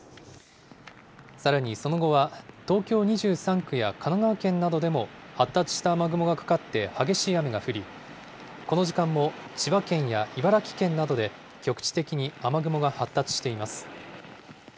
さらにその後は、東京２３区や神奈川県などでも、発達した雨雲がかかって激しい雨が降り、この時間も千葉県や茨城県などで、局地的に雨雲が発達しています。